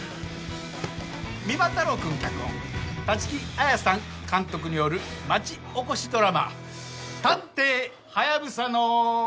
三馬太郎くん脚本立木彩さん監督による町おこしドラマ『探偵ハヤブサの』。